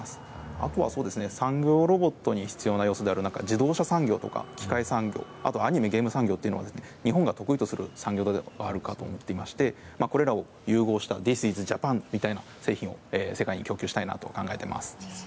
あとは、産業ロボットに必要な要素である自動車産業、機械産業アニメやゲーム産業は日本が得意とする産業でもあるかと思っていましてこれらを融合したディス・イズ・ジャパンみたいな製品を世界に供給したいなと考えています。